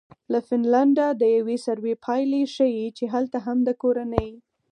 له فنلنډه د یوې سروې پایلې ښیي چې هلته هم د کورنۍ